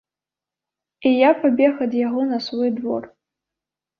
І я пабег ад яго на свой двор.